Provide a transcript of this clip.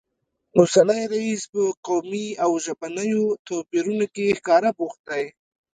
اوسنی رییس په قومي او ژبنیو توپیرونو کې ښکاره بوخت دی